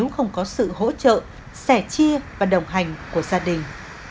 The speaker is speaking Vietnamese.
không có sự hỗ trợ sẻ chia và đồng hành của gia đình